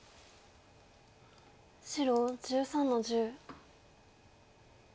白１３の十。